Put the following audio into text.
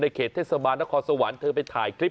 เขตเทศบาลนครสวรรค์เธอไปถ่ายคลิป